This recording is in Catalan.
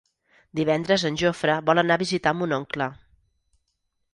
Divendres en Jofre vol anar a visitar mon oncle.